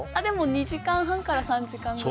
２時間半から３時間くらいで。